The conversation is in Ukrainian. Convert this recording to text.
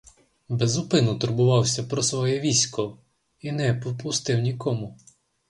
Без упину турбувався про своє військо і не попустив нікому.